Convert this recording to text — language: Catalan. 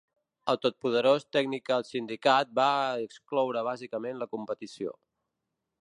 El totpoderós Theatrical Syndicate va excloure bàsicament la competició.